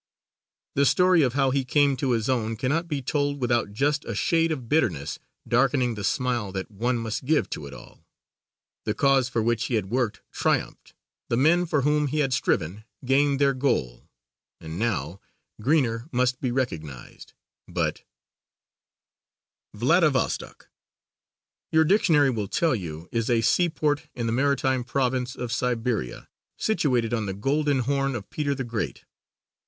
The story of how he came to his own cannot be told without just a shade of bitterness darkening the smile that one must give to it all. The cause for which he had worked triumphed. The men for whom he had striven gained their goal and now, Greener must be recognized, but Vladivostok, your dictionary will tell you, is a sea port in the maritime Province of Siberia, situated on the Golden Horn of Peter the Great.